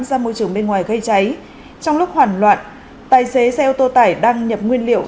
ra môi trường bên ngoài gây cháy trong lúc hoàn loạn tài xế xe ô tô tải đang nhập nguyên liệu